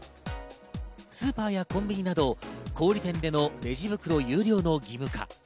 スーパーやコンビニなど小売店でのレジ袋有料の義務化。